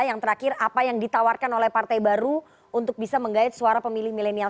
yang terakhir apa yang ditawarkan oleh partai baru untuk bisa menggait suara pemilih milenial